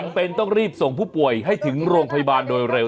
เป็นต้องรีบส่งผู้ป่วยให้ถึงโรงพยาบาลโดยเร็ว